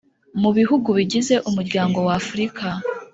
mu bihugu bigize Umuryango w Afurika